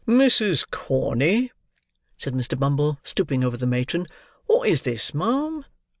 "Mrs. Corney," said Mr. Bumble, stooping over the matron, "what is this, ma'am?